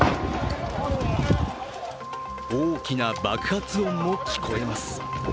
大きな爆発音も聞こえます。